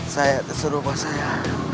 saya suruh pak saya